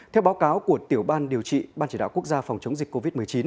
theo báo cáo của tiểu ban điều trị ban chỉ đạo quốc gia phòng chống dịch covid một mươi chín